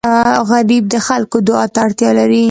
غریب د خلکو دعا ته اړتیا لري